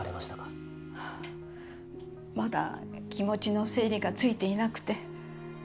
はぁまだ気持ちの整理がついていなくて。